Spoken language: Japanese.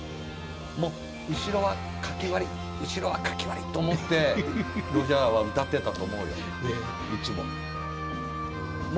「もう後ろは書き割り後ろは書き割り」と思ってロジャーは歌ってたと思うよいつも。